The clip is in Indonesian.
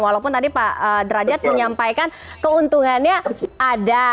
walaupun tadi pak derajat menyampaikan keuntungannya ada